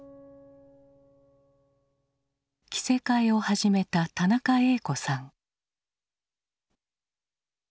着せ替えを始めた田中栄子さん。